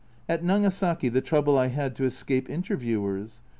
At Nagasaki, the trouble I had to escape interviewers